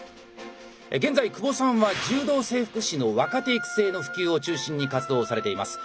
現在久保さんは柔道整復師の若手育成の普及を中心に活動をされています。